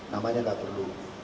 namanya gak perlu